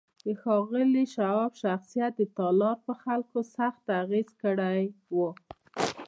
د ښاغلي شواب شخصیت د تالار پر خلکو سخت اغېز کړی و